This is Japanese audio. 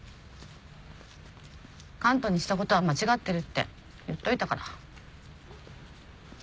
カントにしたことは間違ってるって言っといたから。